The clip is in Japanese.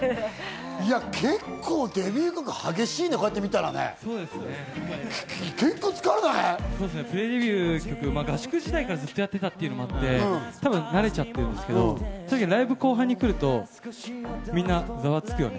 結構、デビュー曲激しいね、こうやって見たらね。プレデビュー曲、合宿時代からずっとやってたっていうのもあって慣れちゃってるんですけど、ライブ後半に来ると、みんなザワつくよね。